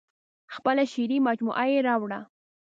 خپله شعري مجموعه یې راوړه.